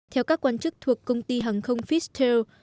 theo các quan chức thuộc công ty hàng không fister